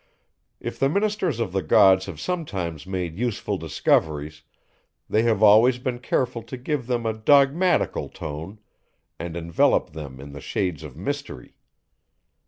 If the ministers of the gods have sometimes made useful discoveries, they have always been careful to give them a dogmatical tone, and envelope them in the shades of mystery.